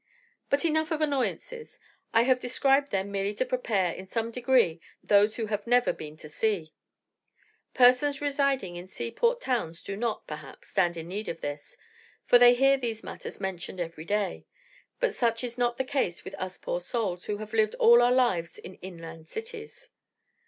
But enough of annoyances. I have described them merely to prepare, in some degree, those who have never been to sea. Persons residing in sea port towns do not, perhaps, stand in need of this, for they hear these matters mentioned every day; but such is not the case with us poor souls, who have lived all our lives in inland cities.